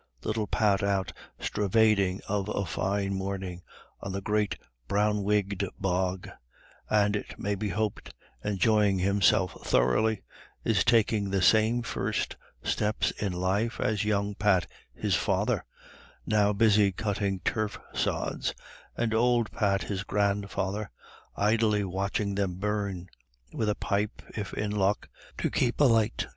Little Pat out stravading of a fine morning on the great brown wigged bog, and, it may be hoped, enjoying himself thoroughly, is taking the same first steps in life as young Pat his father, now busy cutting turf sods, and old Pat, his grandfather, idly watching them burn, with a pipe, if in luck, to keep alight.